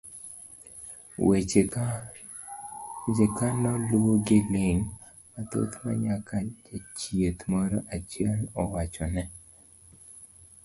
weche ka noluw gi ling' mathoth ma nyaka jachieth moro achiel owachone